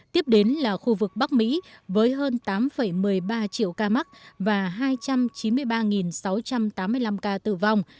tiếp đến là khu vực bắc mỹ với hơn tám một mươi ba triệu ca mắc và hai trăm chín mươi ba sáu trăm tám mươi năm ca tử vong